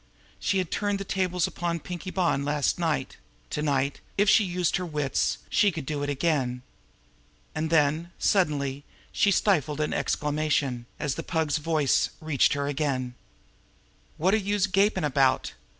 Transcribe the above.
She had turned the tables upon Pinkie Bonn last night; to night, if she used her wits, she could do it again! And then, suddenly, she stifled an exclamation, as the Pug's voice reached her again: "Wot are youse gapin' about?